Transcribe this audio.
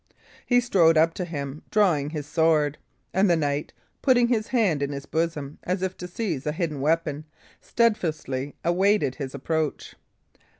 He strode up to him, drawing his sword; and the knight, putting his hand in his bosom, as if to seize a hidden weapon, steadfastly awaited his approach.